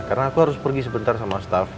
karena aku harus pergi sebentar sama staff